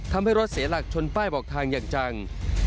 ทำให้รถเสียหลักชนป้ายบอกทางอย่างจัง